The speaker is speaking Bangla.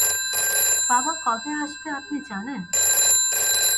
বাবা কবে আসবে আপনি জানেন?